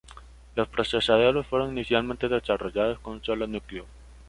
Los procesadores fueron inicialmente desarrollados con un solo núcleo.